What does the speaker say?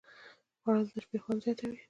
خوړل د شپې خوند زیاتوي